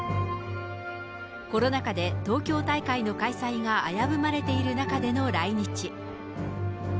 コロナ禍で東京大会の開催が危ぶまれている中での来日。